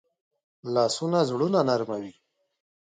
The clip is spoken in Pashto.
لاسونه زړونه نرموي